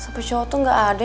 sampai cowok tuh gak ada